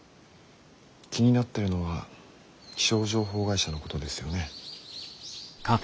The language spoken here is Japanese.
気になってるのは気象情報会社のことですよね。